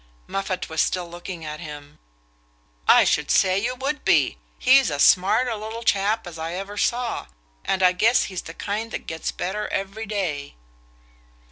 Moffatt was still looking at him. "I should say you would be! He's as smart a little chap as I ever saw; and I guess he's the kind that gets better every day."